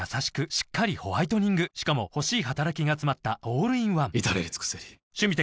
しっかりホワイトニングしかも欲しい働きがつまったオールインワン至れり尽せり「日清これ絶対うまいやつ」